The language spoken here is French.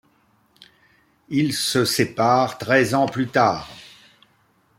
Ils se séparent treize ans plus tard.